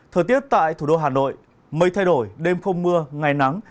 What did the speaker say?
thời tiết tại thủ đô hà nội mây thay đổi đêm không mưa ngày nắng